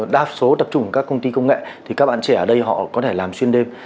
đa số tập trung vào các công ty công nghệ thì các bạn trẻ ở đây họ có thể làm xuyên đêm